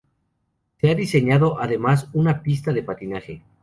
Se ha diseñado además una pista de patinaje.